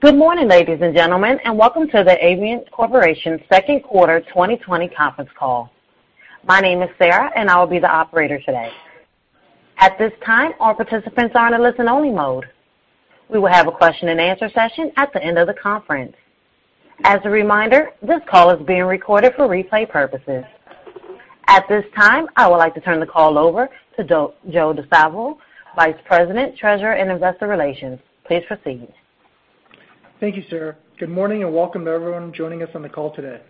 Good morning, ladies and gentlemen, welcome to the Avient Corporation second quarter 2020 conference call. My name is Sarah, and I will be the operator today. At this time, all participants are in a listen-only mode. We will have a question and answer session at the end of the conference. As a reminder, this call is being recorded for replay purposes. At this time, I would like to turn the call over to Joe Di Salvo, Vice President, Treasurer, and Investor Relations. Please proceed. Thank you, Sarah. Good morning and welcome to everyone joining us on the call today.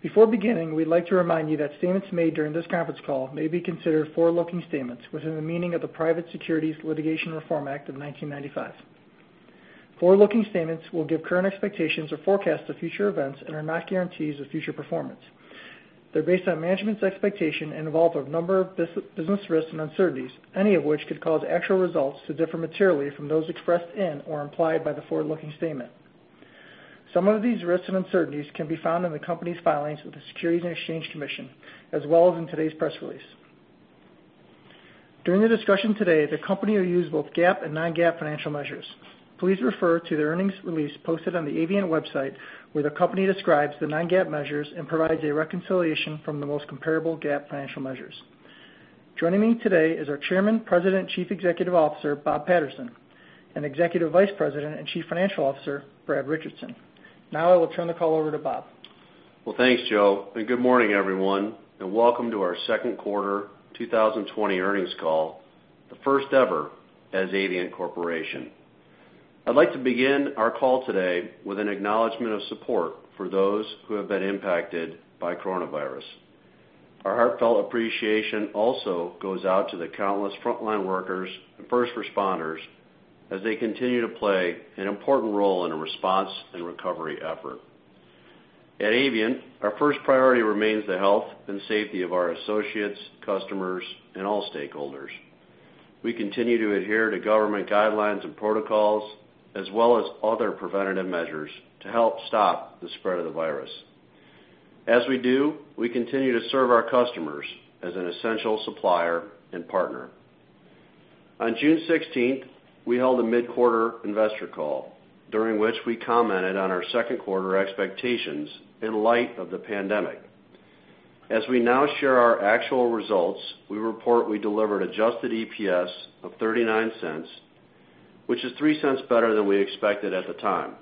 Before beginning, we'd like to remind you that statements made during this conference call may be considered forward-looking statements within the meaning of the Private Securities Litigation Reform Act of 1995. Forward-looking statements will give current expectations or forecasts of future events and are not guarantees of future performance. They're based on management's expectation and involve a number of business risks and uncertainties, any of which could cause actual results to differ materially from those expressed in or implied by the forward-looking statement. Some of these risks and uncertainties can be found in the company's filings with the Securities and Exchange Commission, as well as in today's press release. During the discussion today, the company will use both GAAP and non-GAAP financial measures. Please refer to the earnings release posted on the Avient website, where the company describes the non-GAAP measures and provides a reconciliation from the most comparable GAAP financial measures. Joining me today is our Chairman, President, Chief Executive Officer, Bob Patterson, and Executive Vice President and Chief Financial Officer, Brad Richardson. I will turn the call over to Bob. Well, thanks, Joe, and good morning, everyone, and welcome to our second quarter 2020 earnings call, the first ever as Avient Corporation. I'd like to begin our call today with an acknowledgement of support for those who have been impacted by COVID-19. Our heartfelt appreciation also goes out to the countless frontline workers and first responders as they continue to play an important role in the response and recovery effort. At Avient, our first priority remains the health and safety of our associates, customers, and all stakeholders. We continue to adhere to government guidelines and protocols, as well as other preventative measures to help stop the spread of the virus. As we do, we continue to serve our customers as an essential supplier and partner. On June 16th, we held a mid-quarter investor call, during which we commented on our second quarter expectations in light of the pandemic. As we now share our actual results, we report we delivered adjusted EPS of $0.39, which is $0.03 better than we expected at the time.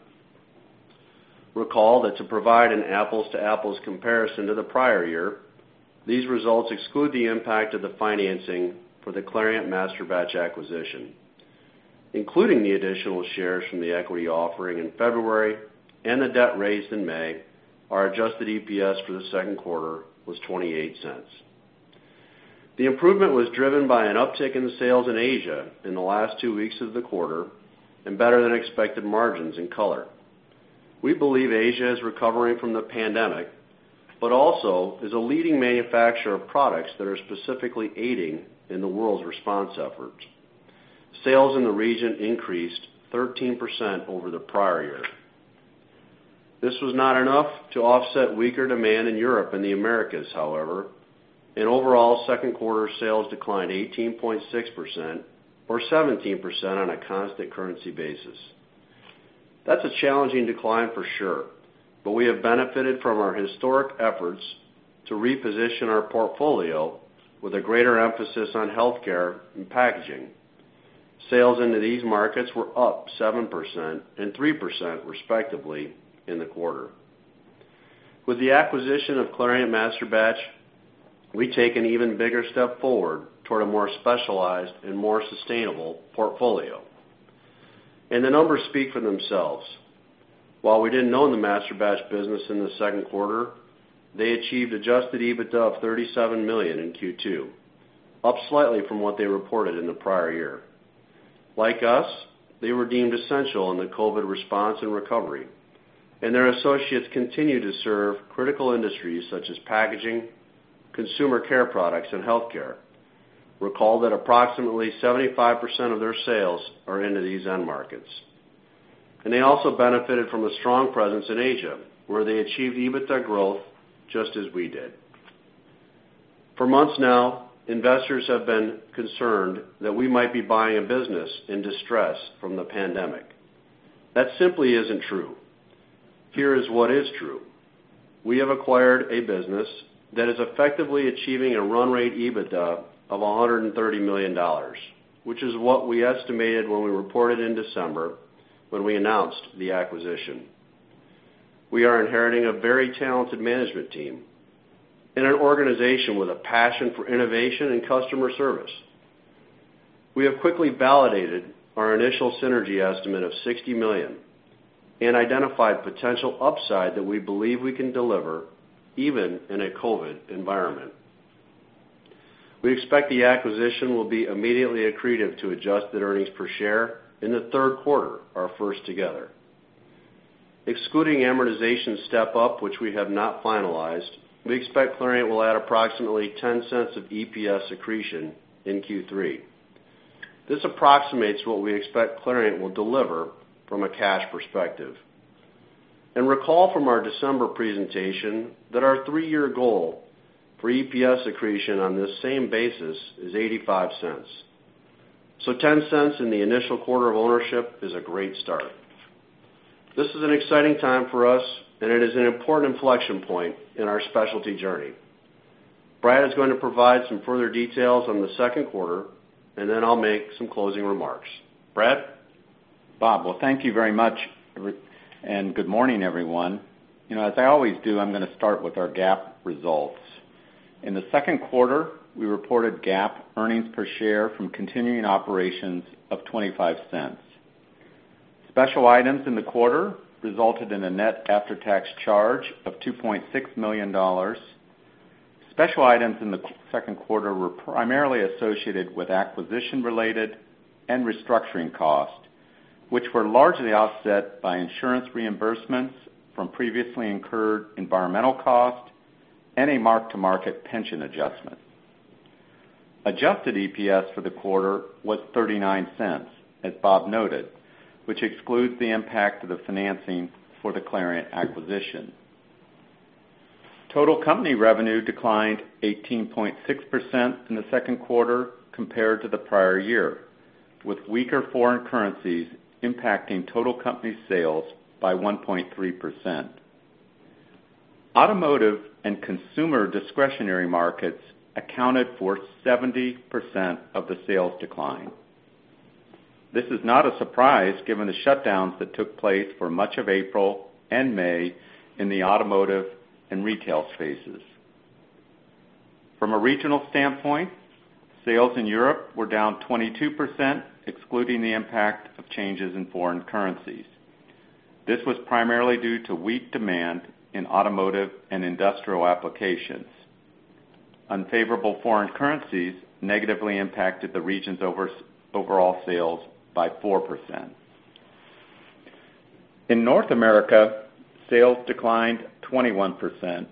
Recall that to provide an apples-to-apples comparison to the prior year, these results exclude the impact of the financing for the Clariant Masterbatches acquisition. Including the additional shares from the equity offering in February and the debt raised in May, our adjusted EPS for the second quarter was $0.28. The improvement was driven by an uptick in the sales in Asia in the last two weeks of the quarter and better than expected margins in color. We believe Asia is recovering from the pandemic, but also is a leading manufacturer of products that are specifically aiding in the world's response efforts. Sales in the region increased 13% over the prior year. This was not enough to offset weaker demand in Europe and the Americas, however. Overall second quarter sales declined 18.6%, or 17% on a constant currency basis. That's a challenging decline for sure, we have benefited from our historic efforts to reposition our portfolio with a greater emphasis on healthcare and packaging. Sales into these markets were up 7% and 3% respectively in the quarter. With the acquisition of Clariant Masterbatches, we take an even bigger step forward toward a more specialized and more sustainable portfolio. The numbers speak for themselves. While we didn't own the Masterbatch business in the second quarter, they achieved adjusted EBITDA of $37 million in Q2, up slightly from what they reported in the prior year. Like us, they were deemed essential in the COVID-19 response and recovery, their associates continue to serve critical industries such as packaging, consumer care products, and healthcare. Recall that approximately 75% of their sales are into these end markets. They also benefited from a strong presence in Asia, where they achieved EBITDA growth just as we did. For months now, investors have been concerned that we might be buying a business in distress from the pandemic. That simply isn't true. Here is what is true. We have acquired a business that is effectively achieving a run rate EBITDA of $130 million, which is what we estimated when we reported in December when we announced the acquisition. We are inheriting a very talented management team and an organization with a passion for innovation and customer service. We have quickly validated our initial synergy estimate of $60 million and identified potential upside that we believe we can deliver even in a COVID-19 environment. We expect the acquisition will be immediately accretive to adjusted earnings per share in the third quarter, our first together. Excluding amortization step-up, which we have not finalized, we expect Clariant will add approximately $0.10 of EPS accretion in Q3. This approximates what we expect Clariant will deliver from a cash perspective. Recall from our December presentation that our three-year goal for EPS accretion on this same basis is $0.85. $0.10 in the initial quarter of ownership is a great start. This is an exciting time for us, and it is an important inflection point in our specialty journey. Brad is going to provide some further details on the second quarter, and then I'll make some closing remarks. Brad? Bob. Well, thank you very much, good morning, everyone. As I always do, I'm going to start with our GAAP results. In the second quarter, we reported GAAP earnings per share from continuing operations of $0.25. Special items in the quarter resulted in a net after-tax charge of $2.6 million. Special items in the second quarter were primarily associated with acquisition-related and restructuring costs, which were largely offset by insurance reimbursements from previously incurred environmental costs and a mark-to-market pension adjustment. Adjusted EPS for the quarter was $0.39, as Bob noted, which excludes the impact of the financing for the Clariant acquisition. Total company revenue declined 18.6% in the second quarter compared to the prior year, with weaker foreign currencies impacting total company sales by 1.3%. Automotive and consumer discretionary markets accounted for 70% of the sales decline. This is not a surprise, given the shutdowns that took place for much of April and May in the automotive and retail spaces. From a regional standpoint, sales in Europe were down 22%, excluding the impact of changes in foreign currencies. This was primarily due to weak demand in automotive and industrial applications. Unfavorable foreign currencies negatively impacted the region's overall sales by 4%. In North America, sales declined 21%,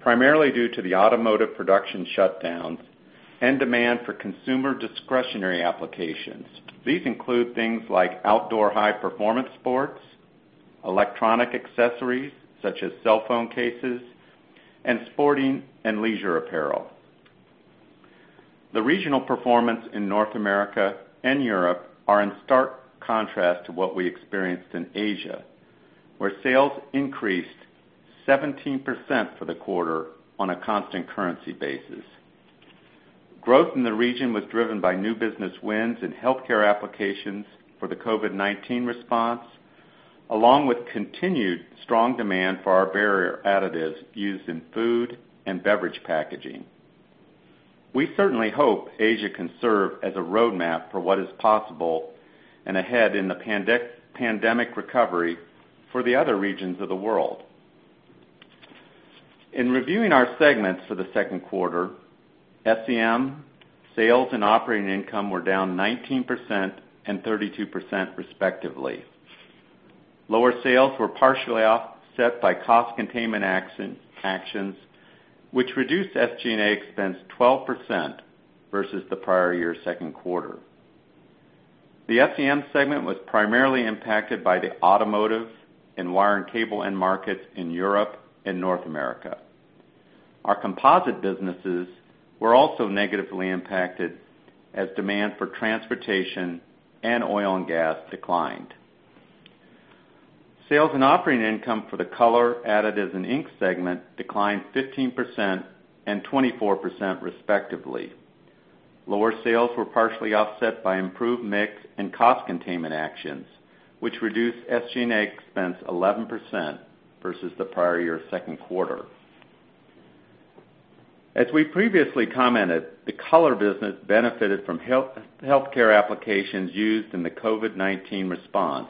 primarily due to the automotive production shutdowns and demand for consumer discretionary applications. These include things like outdoor high-performance sports, electronic accessories such as cell phone cases, and sporting and leisure apparel. The regional performance in North America and Europe are in stark contrast to what we experienced in Asia, where sales increased 17% for the quarter on a constant currency basis. Growth in the region was driven by new business wins in healthcare applications for the COVID-19 response, along with continued strong demand for our barrier additives used in food and beverage packaging. We certainly hope Asia can serve as a roadmap for what is possible and ahead in the pandemic recovery for the other regions of the world. In reviewing our segments for the second quarter, SEM sales and operating income were down 19% and 32% respectively. Lower sales were partially offset by cost containment actions, which reduced SG&A expense 12% versus the prior year second quarter. The SEM segment was primarily impacted by the automotive and wire and cable end markets in Europe and North America. Our composite businesses were also negatively impacted as demand for transportation and oil and gas declined. Sales and operating income for the color additives and ink segment declined 15% and 24%, respectively. Lower sales were partially offset by improved mix and cost containment actions, which reduced SG&A expense 11% versus the prior-year second quarter. As we previously commented, the color business benefited from healthcare applications used in the COVID-19 response,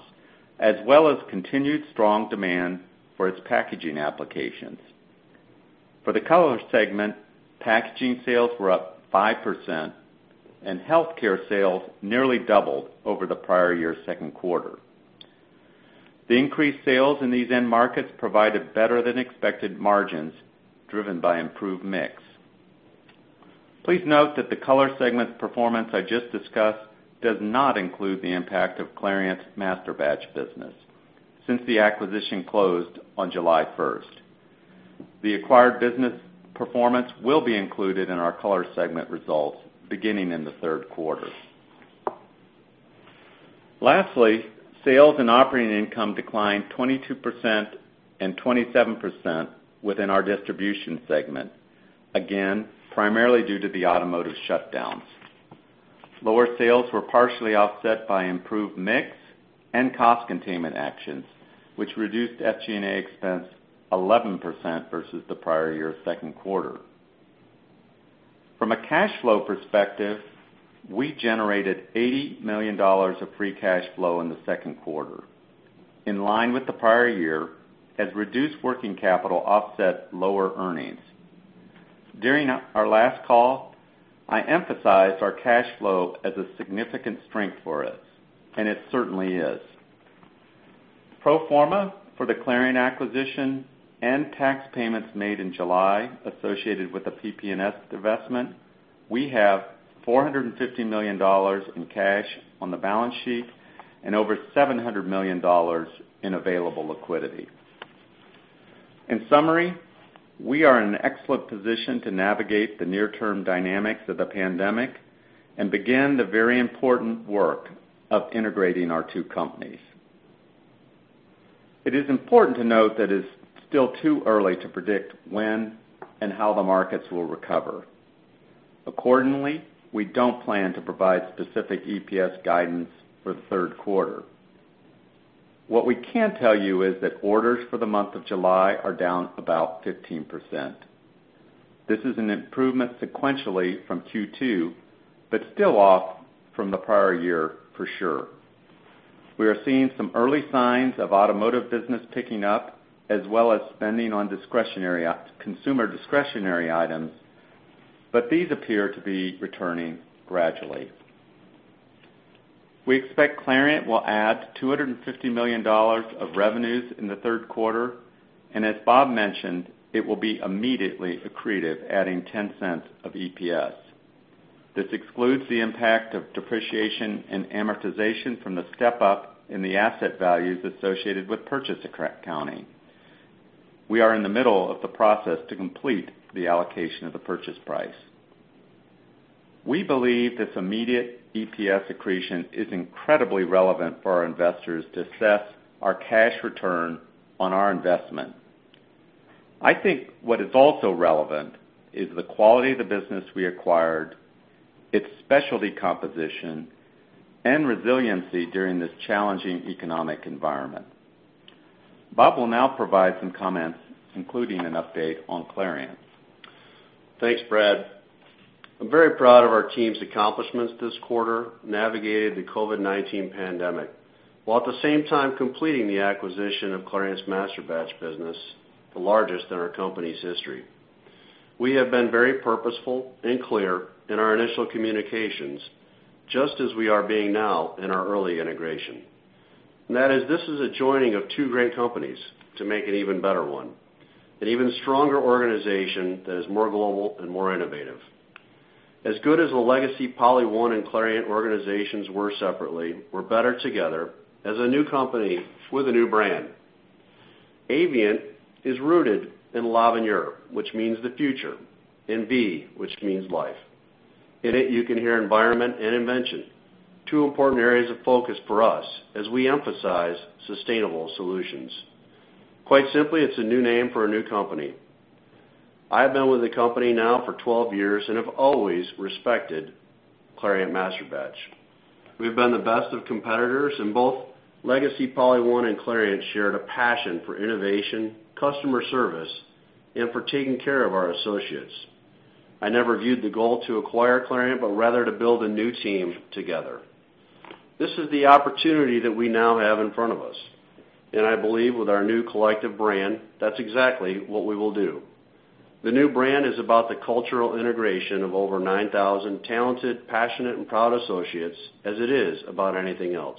as well as continued strong demand for its packaging applications. For the color segment, packaging sales were up 5%, and healthcare sales nearly doubled over the prior-year's second quarter. The increased sales in these end markets provided better than expected margins, driven by improved mix. Please note that the color segment performance I just discussed does not include the impact of Clariant Masterbatches, since the acquisition closed on July 1st. The acquired business performance will be included in our color segment results beginning in the third quarter. Lastly, sales and operating income declined 22% and 27% within our distribution segment, again, primarily due to the automotive shutdowns. Lower sales were partially offset by improved mix and cost containment actions, which reduced SG&A expense 11% versus the prior year second quarter. From a cash flow perspective, we generated $80 million of free cash flow in the second quarter, in line with the prior year, as reduced working capital offset lower earnings. During our last call, I emphasized our cash flow as a significant strength for us, and it certainly is. Pro forma for the Clariant acquisition and tax payments made in July associated with the PP&S divestment. We have $450 million in cash on the balance sheet and over $700 million in available liquidity. In summary, we are in an excellent position to navigate the near-term dynamics of the pandemic and begin the very important work of integrating our two companies. It is important to note that it is still too early to predict when and how the markets will recover. We don't plan to provide specific EPS guidance for the third quarter. What we can tell you is that orders for the month of July are down about 15%. This is an improvement sequentially from Q2, but still off from the prior year for sure. We are seeing some early signs of automotive business picking up, as well as spending on consumer discretionary items, but these appear to be returning gradually. We expect Clariant will add $250 million of revenues in the third quarter, and as Bob mentioned, it will be immediately accretive, adding $0.10 of EPS. This excludes the impact of depreciation and amortization from the step-up in the asset values associated with purchase accounting. We are in the middle of the process to complete the allocation of the purchase price. We believe this immediate EPS accretion is incredibly relevant for our investors to assess our cash return on our investment. I think what is also relevant is the quality of the business we acquired, its specialty composition, and resiliency during this challenging economic environment. Bob will now provide some comments, including an update on Clariant. Thanks, Brad. I'm very proud of our team's accomplishments this quarter, navigating the COVID-19 pandemic, while at the same time completing the acquisition of Clariant Masterbatches business, the largest in our company's history. We have been very purposeful and clear in our initial communications, just as we are being now in our early integration. That is this is a joining of two great companies to make an even better one, an even stronger organization that is more global and more innovative. As good as the legacy PolyOne and Clariant organizations were separately, we're better together as a new company with a new brand. Avient is rooted in l'avenir, which means the future, and vie, which means life. In it, you can hear environment and invention, two important areas of focus for us as we emphasize sustainable solutions. Quite simply, it's a new name for a new company. I have been with the company now for 12 years and have always respected Clariant Masterbatches. We've been the best of competitors. Both legacy PolyOne and Clariant shared a passion for innovation, customer service, and for taking care of our associates. I never viewed the goal to acquire Clariant, rather to build a new team together. This is the opportunity that we now have in front of us. I believe with our new collective brand, that's exactly what we will do. The new brand is about the cultural integration of over 9,000 talented, passionate, and proud associates as it is about anything else.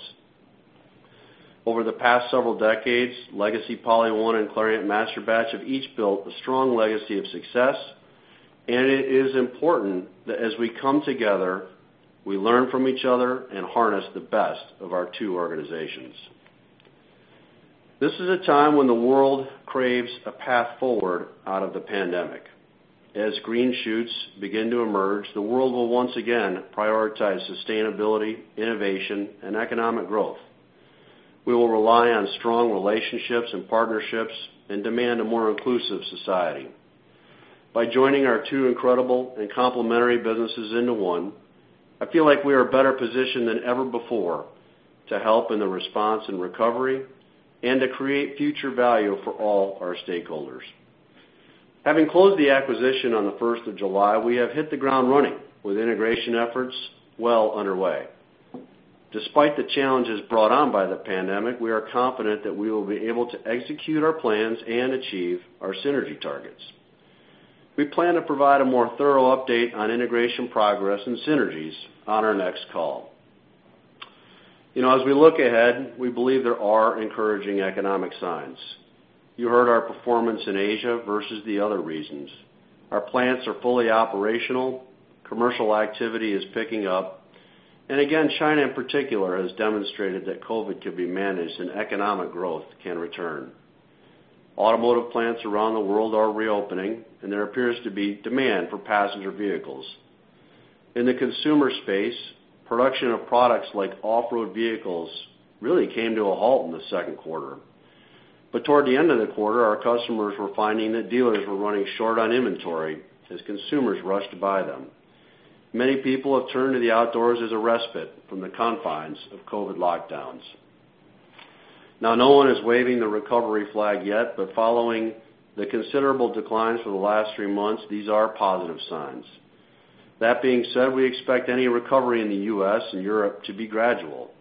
Over the past several decades, legacy PolyOne and Clariant Masterbatches have each built a strong legacy of success. It is important that as we come together, we learn from each other and harness the best of our two organizations. This is a time when the world craves a path forward out of the pandemic. As green shoots begin to emerge, the world will once again prioritize sustainability, innovation, and economic growth. We will rely on strong relationships and partnerships and demand a more inclusive society. By joining our two incredible and complementary businesses into one, I feel like we are better positioned than ever before to help in the response and recovery and to create future value for all our stakeholders. Having closed the acquisition on the 1st of July, we have hit the ground running with integration efforts well underway. Despite the challenges brought on by the pandemic, we are confident that we will be able to execute our plans and achieve our synergy targets. We plan to provide a more thorough update on integration progress and synergies on our next call. As we look ahead, we believe there are encouraging economic signs. You heard our performance in Asia versus the other regions. Our plants are fully operational, commercial activity is picking up, and again, China in particular has demonstrated that COVID can be managed and economic growth can return. Automotive plants around the world are reopening, and there appears to be demand for passenger vehicles. In the consumer space, production of products like off-road vehicles really came to a halt in the second quarter. Toward the end of the quarter, our customers were finding that dealers were running short on inventory as consumers rushed to buy them. Many people have turned to the outdoors as a respite from the confines of COVID lockdowns. Now, no one is waving the recovery flag yet, but following the considerable declines for the last three months, these are positive signs. That being said, we expect any recovery in the U.S. and Europe to be gradual.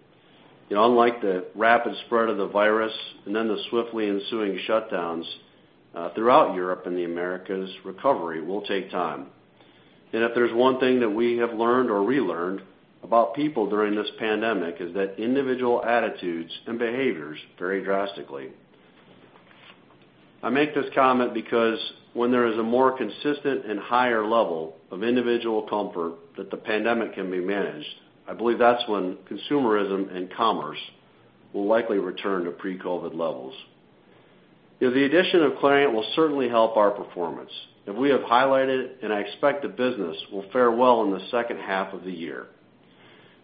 Unlike the rapid spread of the virus, the swiftly ensuing shutdowns throughout Europe and the Americas, recovery will take time. If there's one thing that we have learned or relearned about people during this pandemic is that individual attitudes and behaviors vary drastically. I make this comment because when there is a more consistent and higher level of individual comfort that the pandemic can be managed, I believe that's when consumerism and commerce will likely return to pre-COVID levels. The addition of Clariant will certainly help our performance. We have highlighted, and I expect the business will fare well in the second half of the year.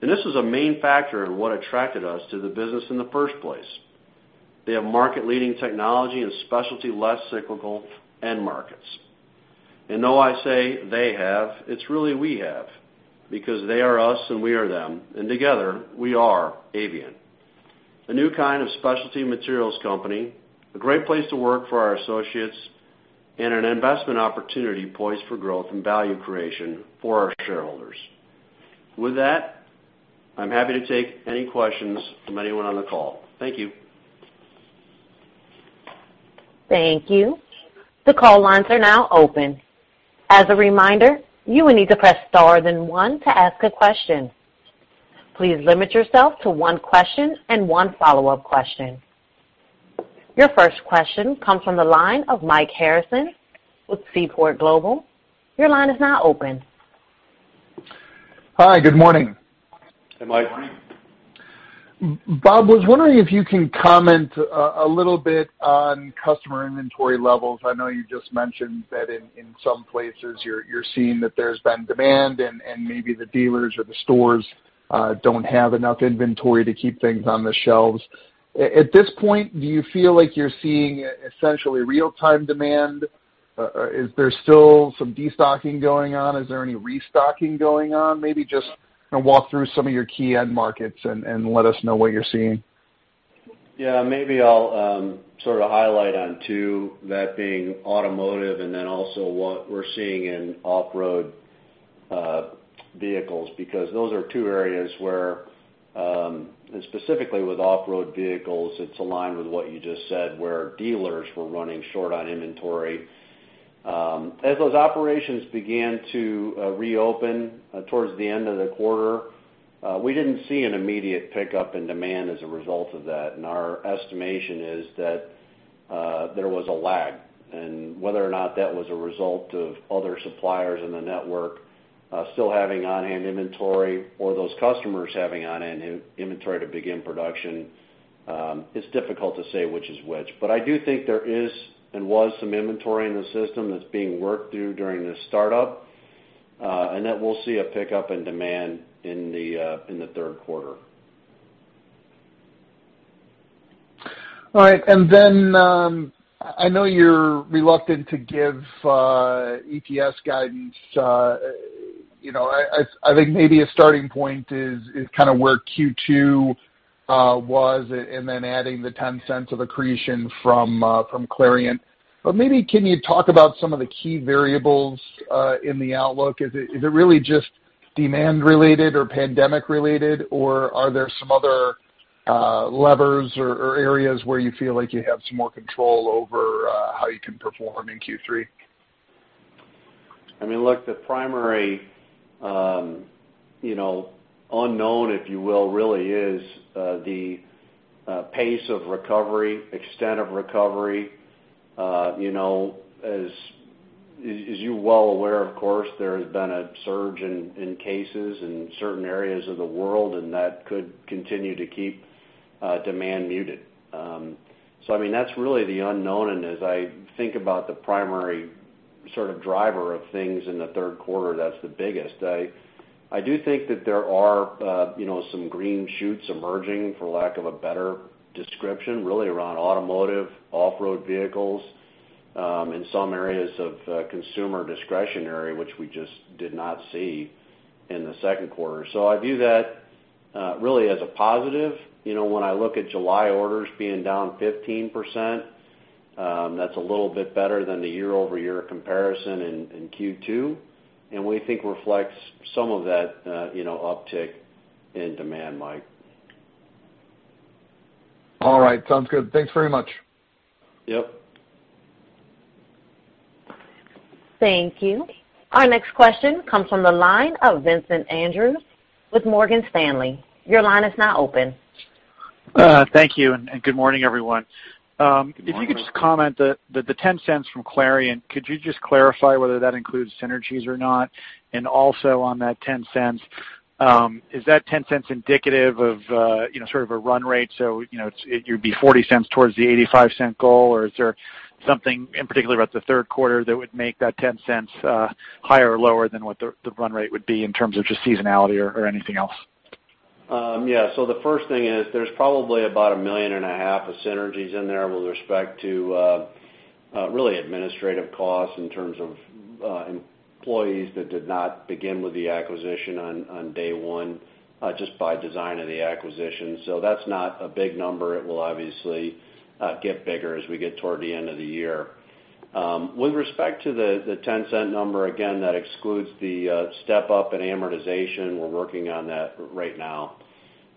This is a main factor in what attracted us to the business in the first place. They have market-leading technology and specialty less cyclical end markets. Though I say they have, it's really we have, because they are us and we are them, and together we are Avient. A new kind of specialty materials company, a great place to work for our associates, and an investment opportunity poised for growth and value creation for our shareholders. With that, I'm happy to take any questions from anyone on the call. Thank you. Thank you. The call lines are now open. As a reminder, you will need to press star then one to ask a question. Please limit yourself to one question and one follow-up question. Your first question comes from the line of Mike Harrison with Seaport Global. Your line is now open. Hi, good morning. Hey, Mike. Bob, was wondering if you can comment a little bit on customer inventory levels? I know you just mentioned that in some places you're seeing that there's been demand and maybe the dealers or the stores don't have enough inventory to keep things on the shelves. At this point, do you feel like you're seeing essentially real-time demand? Is there still some destocking going on? Is there any restocking going on? Maybe just walk through some of your key end markets and let us know what you're seeing. Yeah. Maybe I'll sort of highlight on two, that being automotive and then also what we're seeing in off-road vehicles, because those are two areas where, and specifically with off-road vehicles, it's aligned with what you just said, where dealers were running short on inventory. As those operations began to reopen towards the end of the quarter, we didn't see an immediate pickup in demand as a result of that. Our estimation is that there was a lag, and whether or not that was a result of other suppliers in the network still having on-hand inventory or those customers having on-hand inventory to begin production, it's difficult to say which is which. I do think there is and was some inventory in the system that's being worked through during the startup, and that we'll see a pickup in demand in the third quarter. All right. I know you're reluctant to give EPS guidance. I think maybe a starting point is kind of where Q2 was, and then adding the $0.10 of accretion from Clariant. Maybe can you talk about some of the key variables in the outlook? Is it really just demand related or pandemic related, or are there some other levers or areas where you feel like you have some more control over how you can perform in Q3? Look, the primary unknown, if you will, really is the pace of recovery, extent of recovery. As you're well aware, of course, there has been a surge in cases in certain areas of the world, and that could continue to keep demand muted. That's really the unknown, and as I think about the primary sort of driver of things in the third quarter, that's the biggest. I do think that there are some green shoots emerging, for lack of a better description, really around automotive, off-road vehicles, in some areas of consumer discretionary, which we just did not see in the second quarter. I view that really as a positive. When I look at July orders being down 15%, that's a little bit better than the year-over-year comparison in Q2, and we think reflects some of that uptick in demand, Mike. All right. Sounds good. Thanks very much. Yep. Thank you. Our next question comes from the line of Vincent Andrews with Morgan Stanley. Your line is now open. Thank you, and good morning, everyone. Good morning. If you could just comment, the $0.10 from Clariant, could you just clarify whether that includes synergies or not? Also on that $0.10, is that $0.10 indicative of sort of a run rate? It'd be $0.40 towards the $0.85 goal, or is there something in particular about the third quarter that would make that $0.10 higher or lower than what the run rate would be in terms of just seasonality or anything else? The first thing is there's probably about $1.5 million of synergies in there with respect to really administrative costs in terms of employees that did not begin with the acquisition on day one, just by design of the acquisition. It will obviously get bigger as we get toward the end of the year. With respect to the $0.10 number, again, that excludes the step-up in amortization.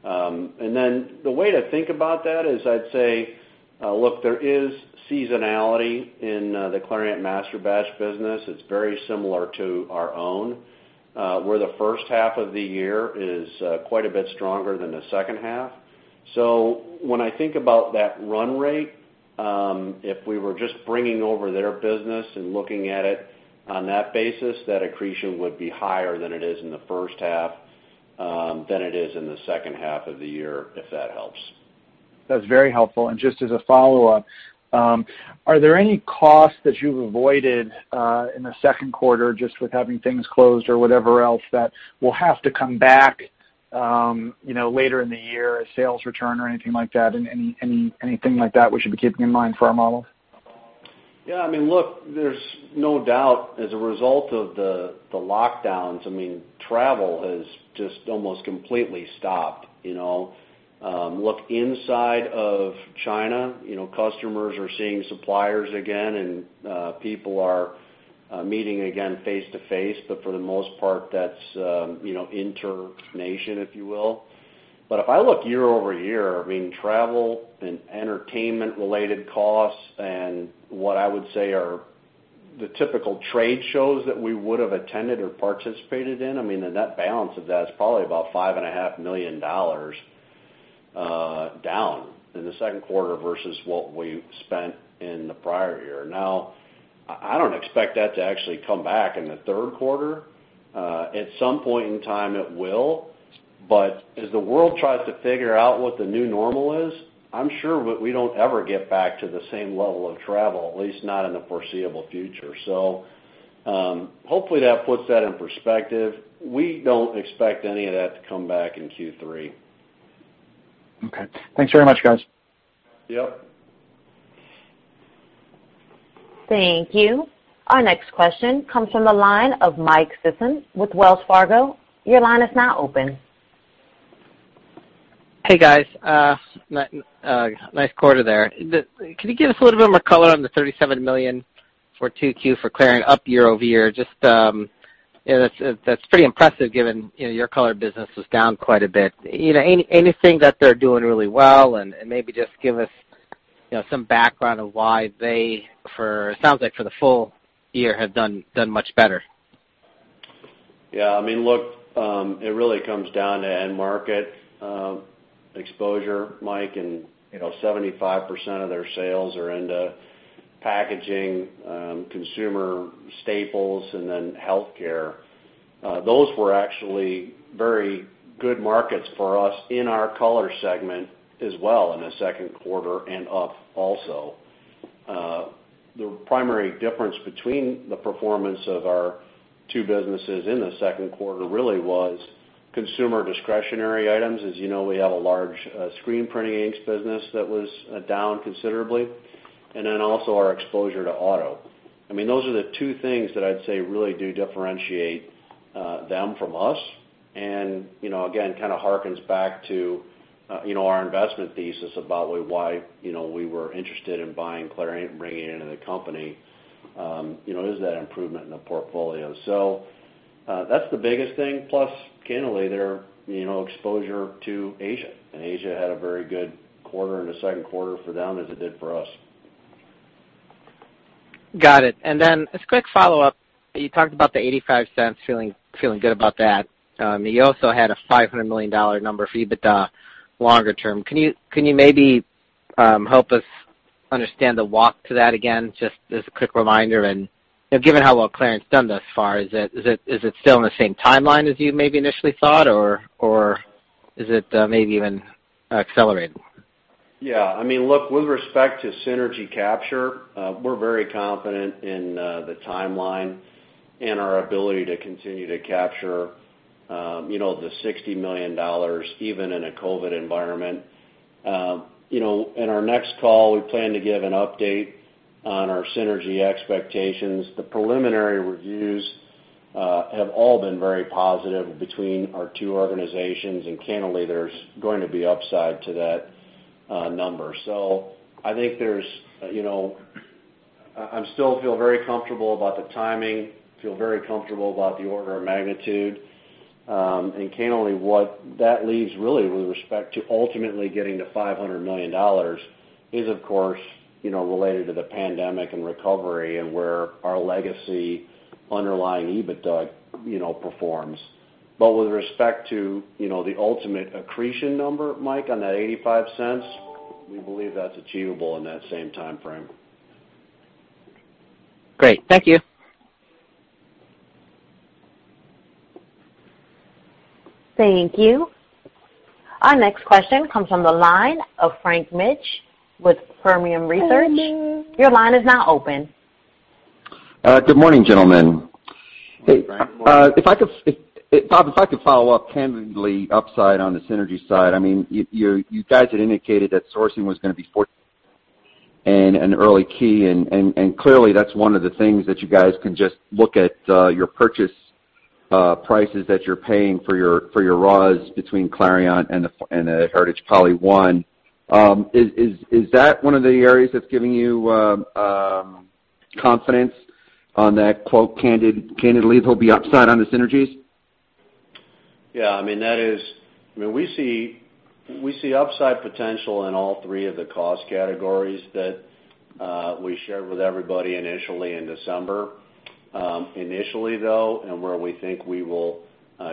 The way to think about that is I'd say, look, there is seasonality in the Clariant Masterbatches business. It's very similar to our own. Where the first half of the year is quite a bit stronger than the second half. When I think about that run rate, if we were just bringing over their business and looking at it on that basis, that accretion would be higher than it is in the first half, than it is in the second half of the year, if that helps. That's very helpful. Just as a follow-up, are there any costs that you've avoided in the second quarter just with having things closed or whatever else that will have to come back later in the year, a sales return or anything like that? Anything like that we should be keeping in mind for our model? Yeah. Look, there's no doubt as a result of the lockdowns, travel has just almost completely stopped. Look inside of China, customers are seeing suppliers again, and people are meeting again face-to-face, for the most part, that's intra-nation, if you will. If I look year-over-year, travel and entertainment related costs and what I would say are the typical trade shows that we would have attended or participated in, the net balance of that is probably about $5.5 million down in the second quarter versus what we spent in the prior year. Now, I don't expect that to actually come back in the third quarter. At some point in time it will, as the world tries to figure out what the new normal is, I'm sure we don't ever get back to the same level of travel, at least not in the foreseeable future. Hopefully that puts that in perspective. We don't expect any of that to come back in Q3. Okay. Thanks very much, guys. Yep. Thank you. Our next question comes from the line of Michael Sison with Wells Fargo. Your line is now open. Hey, guys. Nice quarter there. Could you give us a little bit more color on the $37 million for 2Q for Clariant year-over-year? That's pretty impressive given your color business was down quite a bit. Anything that they're doing really well and maybe just give us some background of why they, for it sounds like for the full year, have done much better? Yeah. Look, it really comes down to end market exposure, Mike. 75% of their sales are into packaging, consumer staples, and then healthcare. Those were actually very good markets for us in our color segment as well in the second quarter and up also. The primary difference between the performance of our two businesses in the second quarter really was consumer discretionary items. As you know, we have a large screen printing inks business that was down considerably. Also our exposure to auto. Those are the two things that I'd say really do differentiate them from us. Again, kind of hearkens back to our investment thesis about why we were interested in buying Clariant and bringing it into the company, is that improvement in the portfolio. That's the biggest thing. Plus, candidly, their exposure to Asia, and Asia had a very good quarter in the second quarter for them as it did for us. Got it. As a quick follow-up, you talked about the $0.85, feeling good about that. You also had a $500 million number for EBITDA longer term. Can you maybe help us understand the walk to that again, just as a quick reminder and given how well Clariant's done thus far, is it still in the same timeline as you maybe initially thought, or is it maybe even accelerated? Yeah. Look, with respect to synergy capture, we're very confident in the timeline and our ability to continue to capture the $60 million even in a COVID-19 environment. In our next call, we plan to give an update on our synergy expectations. The preliminary reviews have all been very positive between our two organizations, candidly, there's going to be upside to that number. I still feel very comfortable about the timing, feel very comfortable about the order of magnitude. Candidly, what that leaves really with respect to ultimately getting to $500 million is, of course, related to the pandemic and recovery and where our legacy underlying EBITDA performs. With respect to the ultimate accretion number, Mike, on that $0.85, we believe that's achievable in that same timeframe. Great. Thank you. Thank you. Our next question comes from the line of Frank Mitsch with Fermium Research. Your line is now open. Good morning, gentlemen. Hey, Frank. Good morning. Bob, if I could follow up candidly upside on the synergy side, you guys had indicated that sourcing was going to be an early key. Clearly that's one of the things that you guys can just look at your purchase prices that you're paying for your raws between Clariant and the Heritage PolyOne. Is that one of the areas that's giving you confidence on that quote, candidly, there'll be upside on the synergies? Yeah. We see upside potential in all three of the cost categories that we shared with everybody initially in December. Initially, though, and where we think we will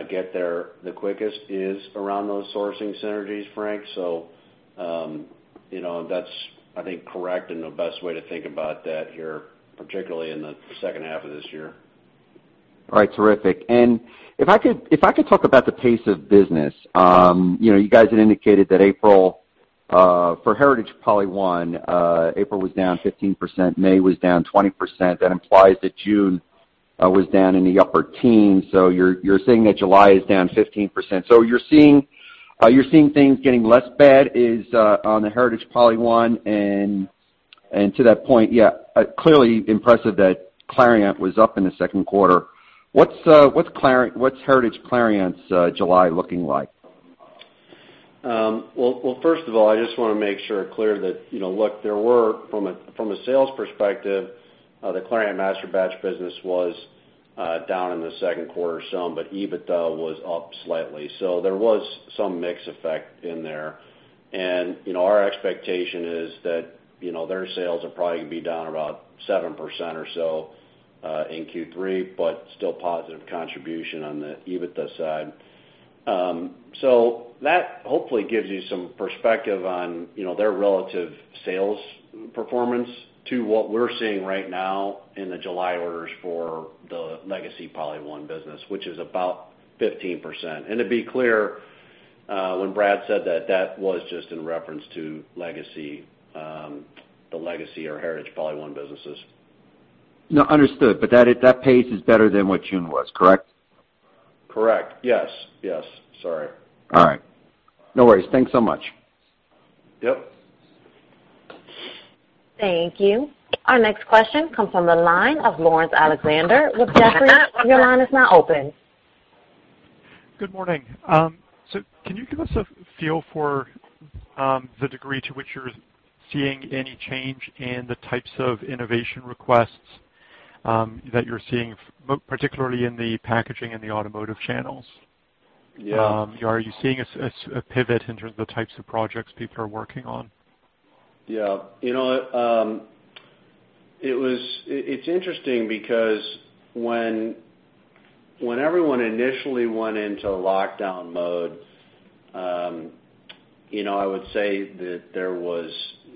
get there the quickest is around those sourcing synergies, Frank. That's, I think, correct, and the best way to think about that here, particularly in the second half of this year. All right. Terrific. If I could talk about the pace of business. You guys had indicated that for Heritage PolyOne, April was down 15%, May was down 20%. That implies that June was down in the upper teens. You're saying that July is down 15%. You're seeing things getting less bad on the Heritage PolyOne, and to that point, yeah, clearly impressive that Clariant was up in the second quarter. What's Heritage Clariant's July looking like? First of all, I just want to make sure clear that, look, from a sales perspective, the Clariant Masterbatches business was down in the second quarter some, but EBITDA was up slightly. There was some mix effect in there. Our expectation is that their sales are probably going to be down about 7% or so in Q3, but still positive contribution on the EBITDA side. That hopefully gives you some perspective on their relative sales performance to what we're seeing right now in the July orders for the legacy PolyOne business, which is about 15%. To be clear, when Brad said that was just in reference to the legacy or Heritage PolyOne businesses. No, understood. That pace is better than what June was, correct? Correct. Yes. Sorry. All right. No worries. Thanks so much. Yep. Thank you. Our next question comes from the line of Laurence Alexander with Jefferies. Your line is now open. Good morning. Can you give us a feel for the degree to which you're seeing any change in the types of innovation requests that you're seeing, particularly in the packaging and the automotive channels? Yeah. Are you seeing a pivot in terms of the types of projects people are working on? Yeah. It's interesting because when everyone initially went into lockdown mode, I would say that there was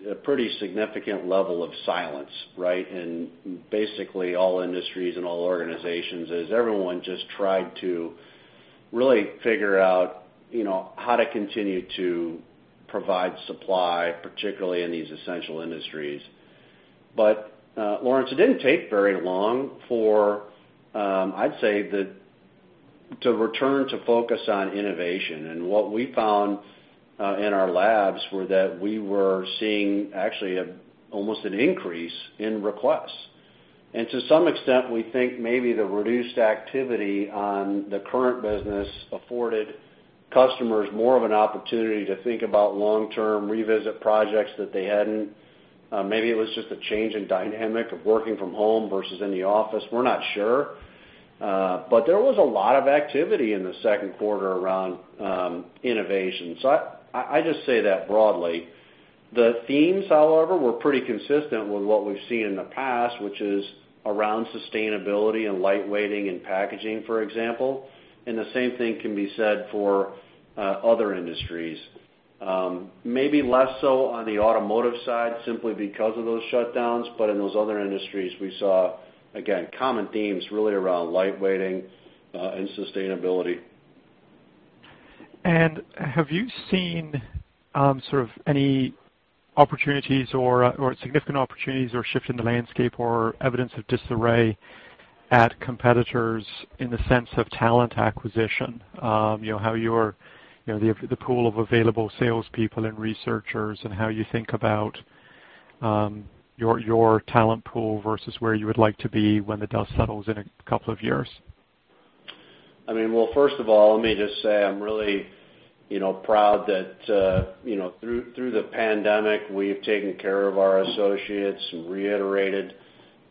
a pretty significant level of silence, right? In basically all industries and all organizations, as everyone just tried to really figure out how to continue to provide supply, particularly in these essential industries. Laurence, it didn't take very long for, I'd say, to return to focus on innovation. What we found in our labs were that we were seeing actually almost an increase in requests. To some extent, we think maybe the reduced activity on the current business afforded customers more of an opportunity to think about long-term revisit projects that they hadn't. Maybe it was just a change in dynamic of working from home versus in the office. We're not sure. There was a lot of activity in the second quarter around innovation. I just say that broadly. The themes, however, were pretty consistent with what we've seen in the past, which is around sustainability and light weighting in packaging, for example. The same thing can be said for other industries. Maybe less so on the automotive side, simply because of those shutdowns. In those other industries, we saw, again, common themes really around light weighting and sustainability. Have you seen sort of any significant opportunities or shift in the landscape or evidence of disarray at competitors in the sense of talent acquisition? The pool of available salespeople and researchers, and how you think about your talent pool versus where you would like to be when the dust settles in a couple of years? First of all, let me just say I'm really proud that through the pandemic, we've taken care of our associates and reiterated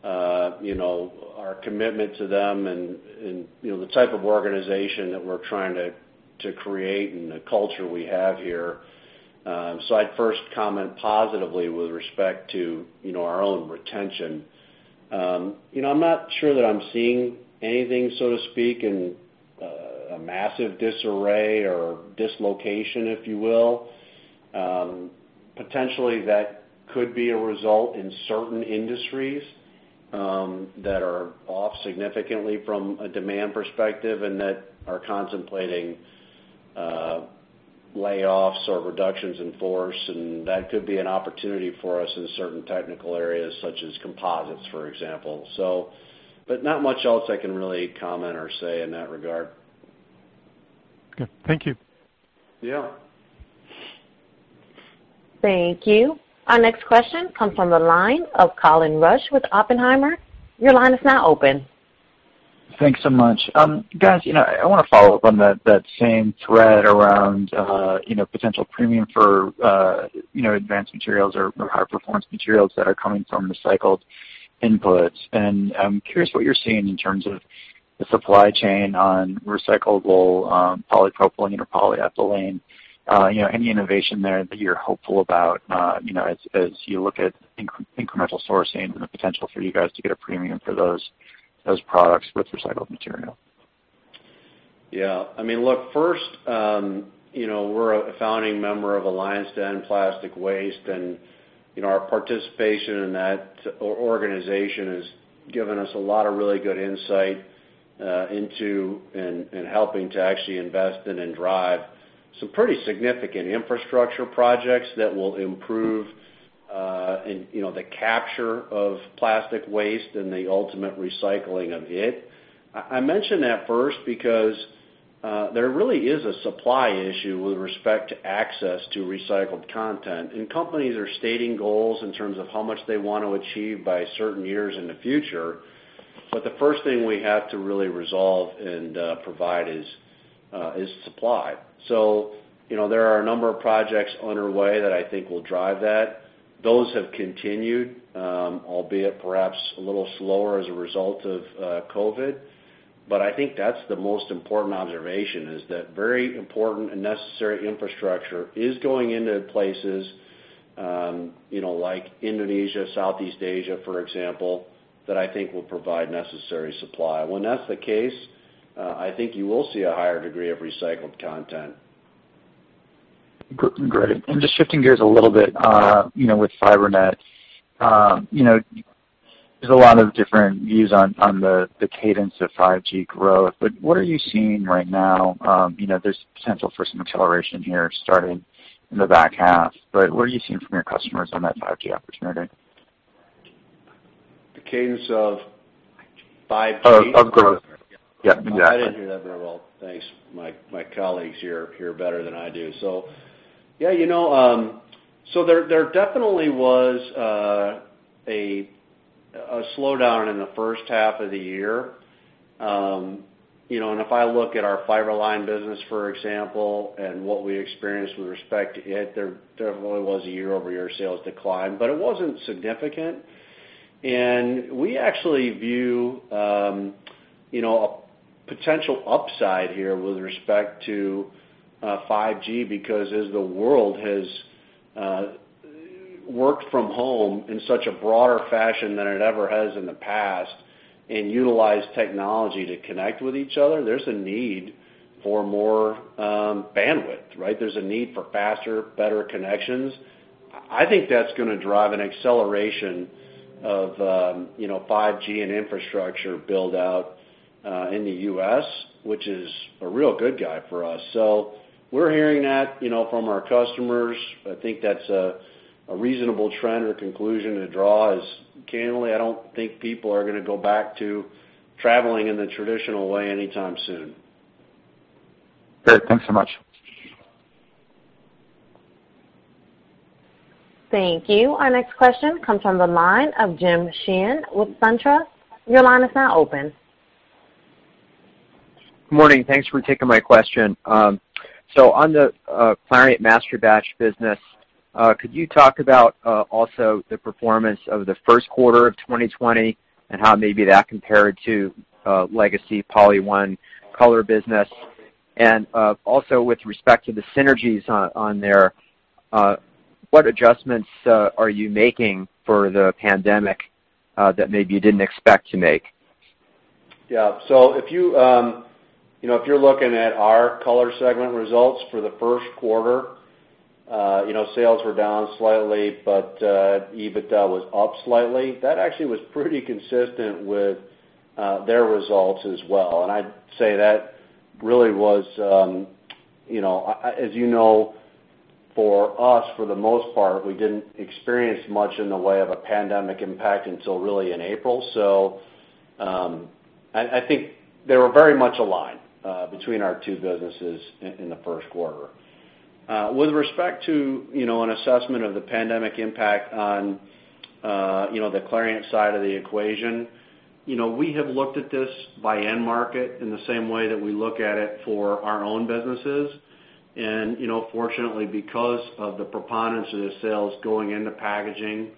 our commitment to them and the type of organization that we're trying to create and the culture we have here. I'd first comment positively with respect to our own retention. I'm not sure that I'm seeing anything, so to speak, in a massive disarray or dislocation, if you will. Potentially, that could be a result in certain industries that are off significantly from a demand perspective and that are contemplating layoffs or reductions in force, and that could be an opportunity for us in certain technical areas such as composites, for example. Not much else I can really comment or say in that regard. Okay. Thank you. Yeah. Thank you. Our next question comes from the line of Colin Rusch with Oppenheimer. Your line is now open. Thanks so much. Guys, I want to follow up on that same thread around potential premium for advanced materials or high-performance materials that are coming from the recycled inputs. I'm curious what you're seeing in terms of the supply chain on recyclable polypropylene or polyethylene. Any innovation there that you're hopeful about as you look at incremental sourcing and the potential for you guys to get a premium for those products with recycled material? Yeah. Look, first, we're a founding member of Alliance to End Plastic Waste, and our participation in that organization has given us a lot of really good insight into, and helping to actually invest in and drive some pretty significant infrastructure projects that will improve the capture of plastic waste and the ultimate recycling of it. I mentioned that first because there really is a supply issue with respect to access to recycled content. Companies are stating goals in terms of how much they want to achieve by certain years in the future. The first thing we have to really resolve and provide is supply. There are a number of projects underway that I think will drive that. Those have continued, albeit perhaps a little slower as a result of COVID. I think that's the most important observation, is that very important and necessary infrastructure is going into places like Indonesia, Southeast Asia, for example, that I think will provide necessary supply. When that's the case, I think you will see a higher degree of recycled content. Great. Just shifting gears a little bit with Fiber-Line. There's a lot of different views on the cadence of 5G growth, what are you seeing right now? There's potential for some acceleration here starting in the back half, what are you seeing from your customers on that 5G opportunity? The cadence of 5G? Of growth. Yeah. I didn't hear that very well. Thanks. My colleagues hear better than I do. There definitely was a slowdown in the first half of the year. If I look at our Fiber-Line business, for example, and what we experienced with respect to it, there definitely was a year-over-year sales decline, but it wasn't significant. We actually view a potential upside here with respect to 5G, because as the world has worked from home in such a broader fashion than it ever has in the past, and utilized technology to connect with each other, there's a need for more bandwidth, right? There's a need for faster, better connections. I think that's going to drive an acceleration of 5G and infrastructure build-out in the U.S., which is a real good guy for us. We're hearing that from our customers. I think that's a reasonable trend or conclusion to draw is, candidly, I don't think people are going to go back to traveling in the traditional way anytime soon. Great. Thanks so much. Thank you. Our next question comes from the line of James Sheehan with SunTrust. Your line is now open. Good morning. Thanks for taking my question. On the Clariant Masterbatches business, could you talk about also the performance of the first quarter of 2020 and how maybe that compared to legacy PolyOne Color business? Also with respect to the synergies on there, what adjustments are you making for the pandemic that maybe you didn't expect to make? Yeah. If you're looking at our Color segment results for the first quarter, sales were down slightly, but EBITDA was up slightly. That actually was pretty consistent with their results as well. I'd say that really was, as you know, for us, for the most part, we didn't experience much in the way of a pandemic impact until really in April. I think they were very much aligned between our two businesses in the first quarter. With respect to an assessment of the pandemic impact on the Clariant side of the equation, we have looked at this by end market in the same way that we look at it for our own businesses. Fortunately, because of the preponderance of the sales going into packaging,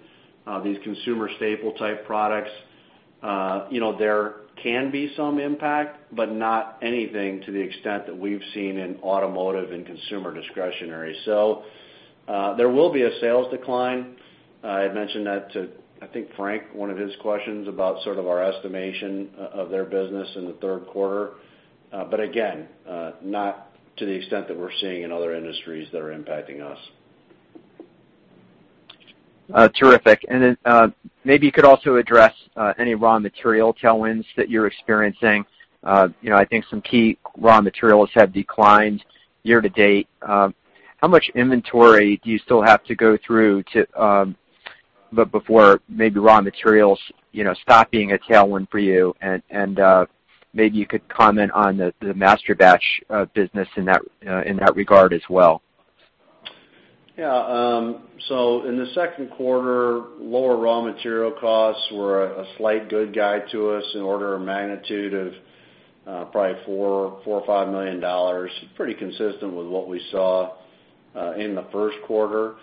these consumer staple type products, there can be some impact, but not anything to the extent that we've seen in automotive and consumer discretionary. There will be a sales decline. I had mentioned that to, I think, Frank, one of his questions about sort of our estimation of their business in the third quarter. Again, not to the extent that we're seeing in other industries that are impacting us. Terrific. Then maybe you could also address any raw material tailwinds that you're experiencing. I think some key raw materials have declined year to date. How much inventory do you still have to go through before maybe raw materials stop being a tailwind for you? Maybe you could comment on the Masterbatch business in that regard as well. Yeah. In the second quarter, lower raw material costs were a slight good guide to us in order of magnitude of probably $4 or $5 million. Pretty consistent with what we saw in the first quarter.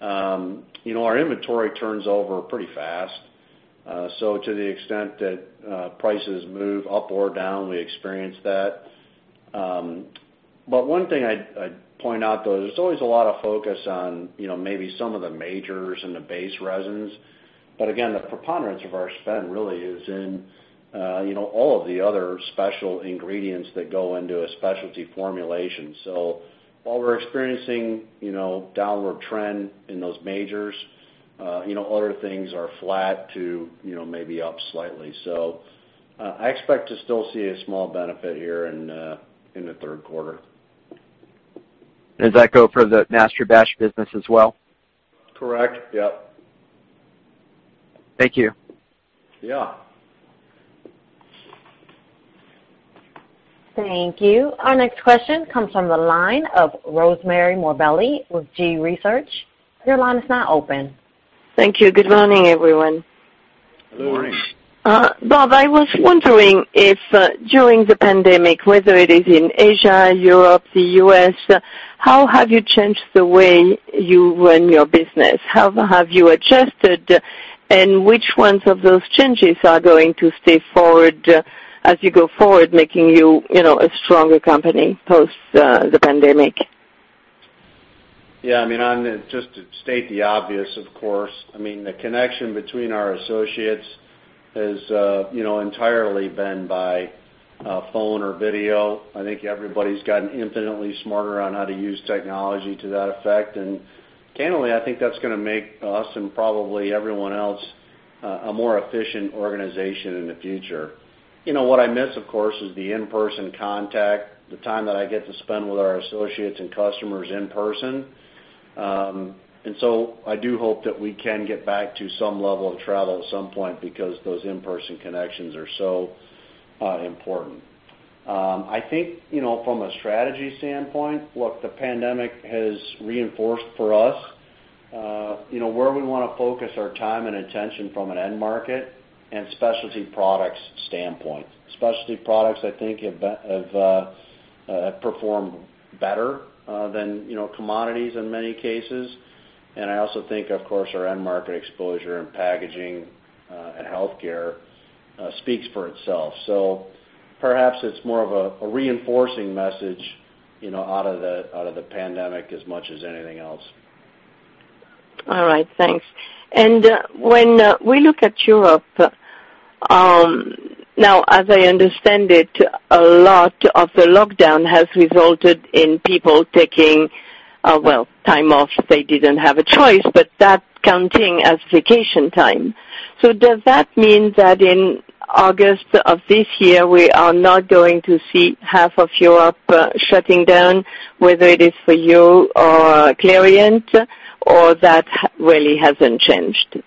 Our inventory turns over pretty fast. To the extent that prices move up or down, we experience that. One thing I'd point out, though, there's always a lot of focus on maybe some of the majors in the base resins. Again, the preponderance of our spend really is in all of the other special ingredients that go into a specialty formulation. While we're experiencing downward trend in those majors, other things are flat to maybe up slightly. I expect to still see a small benefit here in the third quarter. Does that go for the Masterbatch business as well? Correct. Yep. Thank you. Yeah. Thank you. Our next question comes from the line of Rosemarie Morbelli with G.research. Your line is now open. Thank you. Good morning, everyone. Good morning. Bob, I was wondering if, during the pandemic, whether it is in Asia, Europe, the U.S., how have you changed the way you run your business? How have you adjusted? Which ones of those changes are going to stay forward as you go forward, making you a stronger company post the pandemic? Yeah. Just to state the obvious, of course, the connection between our associates has entirely been by phone or video. I think everybody's gotten infinitely smarter on how to use technology to that effect. Candidly, I think that's going to make us and probably everyone else a more efficient organization in the future. What I miss, of course, is the in-person contact, the time that I get to spend with our associates and customers in person. I do hope that we can get back to some level of travel at some point because those in-person connections are so important. I think from a strategy standpoint, what the pandemic has reinforced for us where we want to focus our time and attention from an end market and specialty products standpoint. Specialty products, I think, have performed better than commodities in many cases. I also think, of course, our end market exposure in packaging and healthcare speaks for itself. Perhaps it's more of a reinforcing message out of the pandemic as much as anything else. All right. Thanks. When we look at Europe, now, as I understand it, a lot of the lockdown has resulted in people taking, well, time off. They didn't have a choice, but that counting as vacation time. Does that mean that in August of this year, we are not going to see half of Europe shutting down, whether it is for you or Clariant, or that really hasn't changed?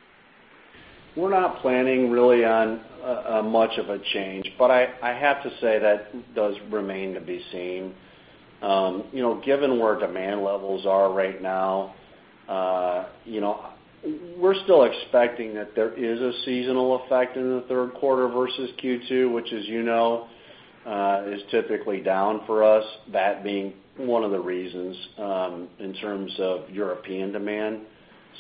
We're not planning really on much of a change, but I have to say that does remain to be seen. Given where demand levels are right now, we're still expecting that there is a seasonal effect in the third quarter versus Q2, which as you know, is typically down for us, that being one of the reasons in terms of European demand.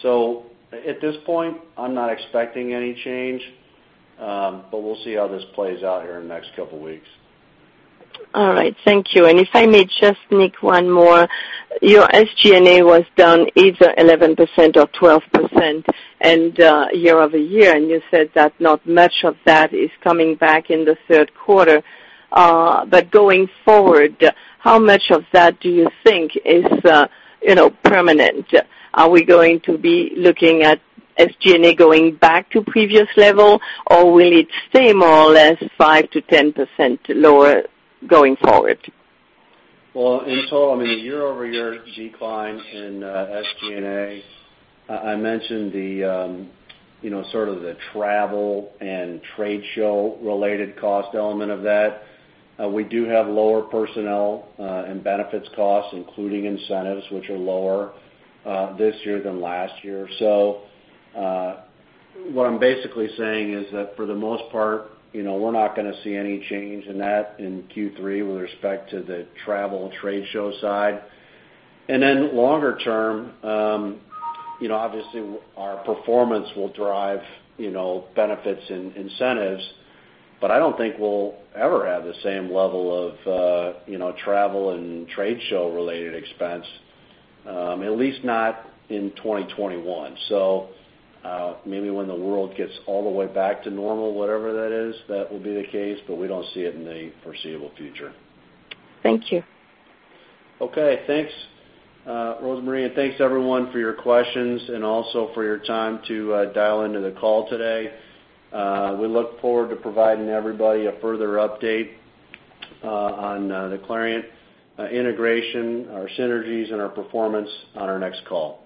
At this point, I'm not expecting any change, but we'll see how this plays out here in the next couple of weeks. All right. Thank you. If I may just nick one more. Your SG&A was down either 11% or 12% year-over-year, you said that not much of that is coming back in the third quarter. Going forward, how much of that do you think is permanent? Are we going to be looking at SG&A going back to previous level, or will it stay more or less 5%-10% lower going forward? Well, in total, the year-over-year decline in SGA, I mentioned the sort of the travel and trade show related cost element of that. We do have lower personnel and benefits costs, including incentives, which are lower this year than last year. What I'm basically saying is that for the most part, we're not going to see any change in that in Q3 with respect to the travel and trade show side. Longer term, obviously, our performance will drive benefits and incentives, but I don't think we'll ever have the same level of travel and trade show related expense, at least not in 2021. Maybe when the world gets all the way back to normal, whatever that is, that will be the case, but we don't see it in the foreseeable future. Thank you. Okay. Thanks, Rosemarie, thanks everyone for your questions and also for your time to dial into the call today. We look forward to providing everybody a further update on the Clariant integration, our synergies, and our performance on our next call.